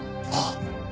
ああ。